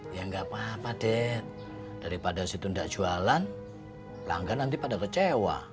ya enggak apa apa dad daripada situ enggak jualan pelanggan nanti pada kecewa